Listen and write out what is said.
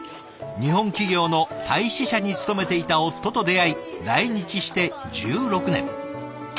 日本企業のタイ支社に勤めていた夫と出会い来日して１６年。